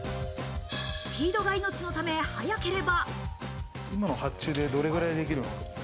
スピードが命のため、早ければ。